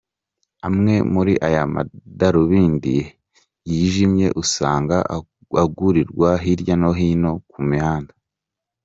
Amwe muri aya madarubindi yijimye, usanga agurirwa hirya no hino ku mihanda.